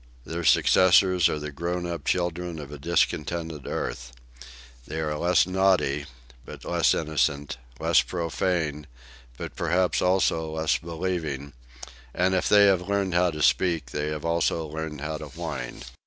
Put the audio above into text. Their successors are the grown up children of a discontented earth. They are less naughty, but less innocent; less profane, but perhaps also less believing; and if they have learned how to speak they have also learned how to whine.